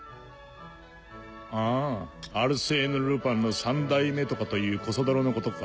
あぁアルセーヌ・ルパンの三代目とかというコソ泥のことか。